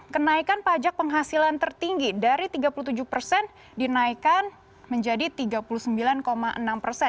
kenaikan pajak penghasilan tertinggi dari tiga puluh tujuh persen dinaikkan menjadi tiga puluh sembilan enam persen